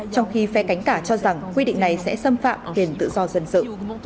trong khi phé cánh cả cho rằng quy định này sẽ xâm phạm quyền tự do dân dự